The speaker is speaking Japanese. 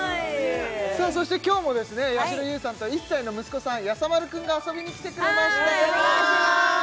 そして今日もやしろ優さんと１歳の息子さんやさ丸くんが遊びに来てくれましたお願いします